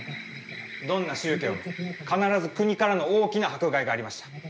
どんな宗教も必ず国からの大きな迫害がありました。